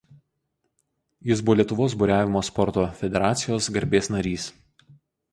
Jis buvo Lietuvos buriavimo sporto federacijos garbės narys.